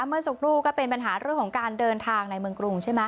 เมื่อสักครู่ก็เป็นปัญหาเรื่องของการเดินทางในเมืองกรุงใช่ไหม